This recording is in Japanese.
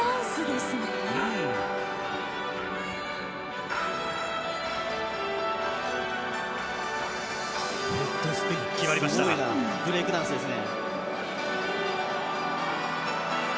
すごいな。ブレイクダンスですね。